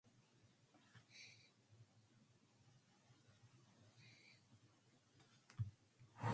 This strain of anti-nationalism typically advocates the elimination of national boundaries.